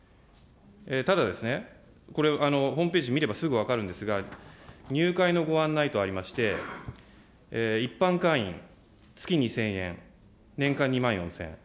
ただですね、ホームページ見ればすぐ分かるんですが、入会のご案内とありまして、一般会員、月２０００円、年間２万４０００円。